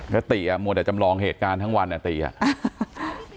ก็ติอ่ะมัวแต่จำลองเหตุการณ์ทั้งวันอ่ะตีอ่ะ